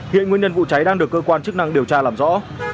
hiện nguyên nhân vụ cháy đang được cơ quan chức năng điều tra làm rõ